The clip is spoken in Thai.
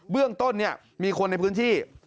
เรื่องต้นมีคนในพื้นที่